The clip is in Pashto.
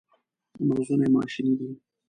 مغزونه یې ماشیني دي.